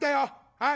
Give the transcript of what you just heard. はい。